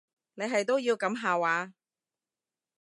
你係都要噉下話？